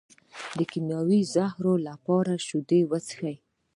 د کیمیاوي زهرو لپاره شیدې وڅښئ